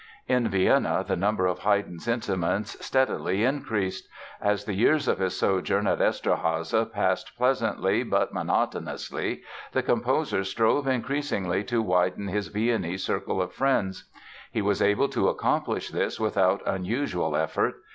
In Vienna the number of Haydn's intimates steadily increased. As the years of his sojourn at Eszterháza passed pleasantly, but monotonously, the composer strove increasingly to widen his Viennese circle of friends. He was able to accomplish this without unusual effort.